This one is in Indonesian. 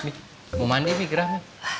mau mandi nih gerah